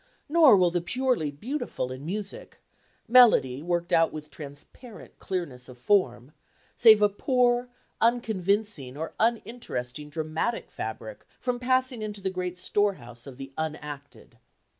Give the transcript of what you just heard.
Nor will the purely beautiful in music melody worked out with transparent clearness of form save a poor, unconvincing or uninteresting dramatic fabric from passing into the great storehouse of the unacted.